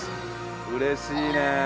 うれしいね。